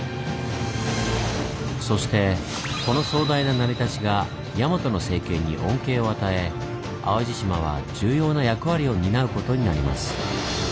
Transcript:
そしてこの壮大な成り立ちが大和の政権に恩恵を与え淡路島は重要な役割を担うことになります。